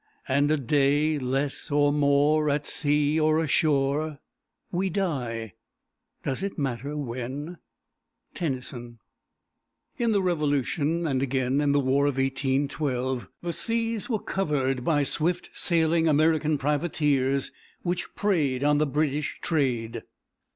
And a day less or more At sea or ashore, We die does it matter when? Tennyson. In the revolution, and again in the war of 1812, the seas were covered by swift sailing American privateers, which preyed on the British trade.